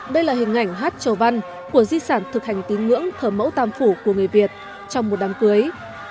đây là hình ảnh hát trầu văn của di sản thực hành tín ngưỡng thờ mẫu tam phủ của người việt trong một đám cưới